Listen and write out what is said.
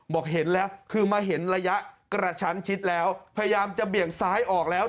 บอกเห็นแล้วคือมาเห็นระยะกระชั้นชิดแล้วพยายามจะเบี่ยงซ้ายออกแล้ว